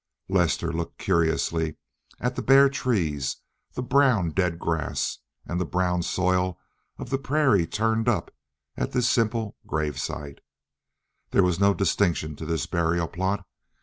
Lester looked curiously at the bare trees, the brown dead grass, and the brown soil of the prairie turned up at this simple graveside. There was no distinction to this burial plot.